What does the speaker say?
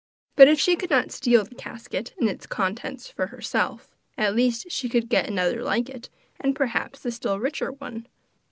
But if she could not steal the casket and its contents for herself, at least she could get another like it, and perhaps a still richer one.